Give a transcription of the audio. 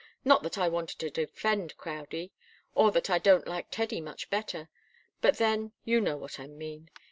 Not that I wanted to defend Crowdie, or that I don't like Teddy much better but then, you know what I mean!